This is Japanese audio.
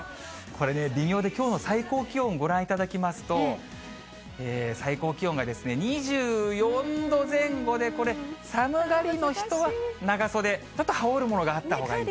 これね、微妙で、きょうの最高気温ご覧いただきますと、最高気温が２４度前後で、これ、寒がりの人は長袖、ちょっと羽織るものがあったほうがいい。